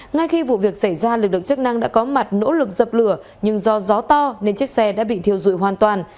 ngay khi vụ việc xảy ra lực lượng chức năng đã có mặt nỗ lực dập lửa nhưng do gió to nên chiếc xe đã bị thiêu dụi hoàn toàn